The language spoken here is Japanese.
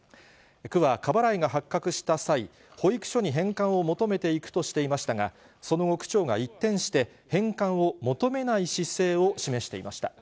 区は過払いが発覚した際、保育所に返還を求めていくとしていましたが、その後、区長が一転して、返還を求めない姿勢を示していました。